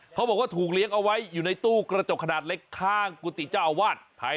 เขาบอกว่าถูกเลี้ยงเอาไว้อยู่ในตู้กระจกขนาดเล็กข้างกุฏิเจ้าอาวาส